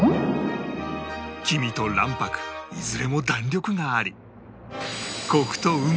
黄身と卵白いずれも弾力があり